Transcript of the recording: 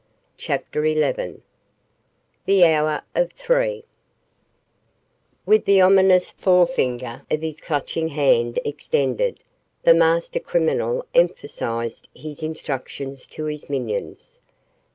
CHAPTER XI THE HOUR OF THREE With the ominous forefinger of his Clutching Hand extended, the master criminal emphasized his instructions to his minions.